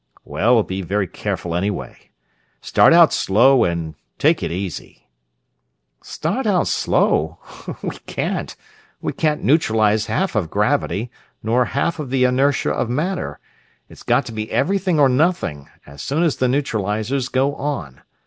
"Well, be very careful, anyway. Start out slow and take it easy." "Start out slow? We can't! We can't neutralize half of gravity, nor half of the inertia of matter it's got to be everything or nothing, as soon as the neutralizers go on.